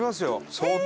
相当。